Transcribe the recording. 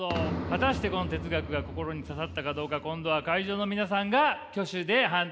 果たしてこの哲学が心に刺さったかどうか今度は会場の皆さんが挙手で判定をしてください。